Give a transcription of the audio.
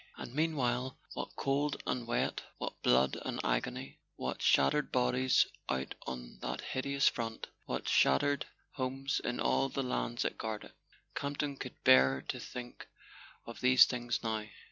And meanwhile, what cold and wet, what blood and agony, what shat¬ tered bodies out on that hideous front, what shattered homes in all the lands it guarded! Campton could bear to think of these things now.